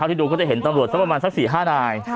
ที่ดูก็จะเห็นตำรวจสักประมาณสัก๔๕นาย